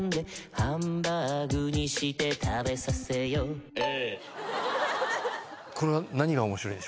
ハンバーグにして食べさせようウェ！